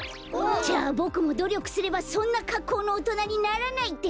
じゃあボクもどりょくすればそんなかっこうのおとなにならないってことか！